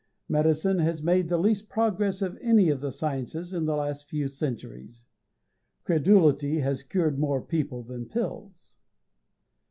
Medicine has made the least progress of any of the sciences in the last few centuries. Credulity has cured more people than pills.